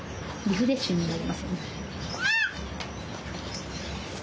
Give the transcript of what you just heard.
リフレッシュになりますね。